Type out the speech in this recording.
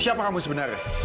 siapa kamu sebenarnya